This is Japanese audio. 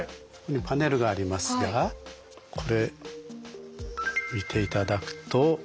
パネルがありますがこれ見ていただくと。